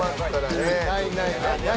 絶対ない。